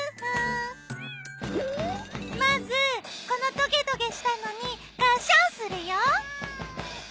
まずこのトゲトゲしたのにがっしゃんするよ。